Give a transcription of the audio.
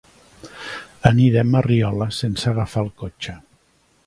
Anirem a Riola sense agafar el cotxe.